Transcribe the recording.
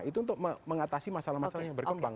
itu untuk mengatasi masalah masalah yang berkembang